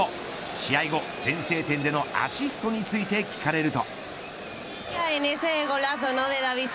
試合後、先制点でのアシストについて聞かれると。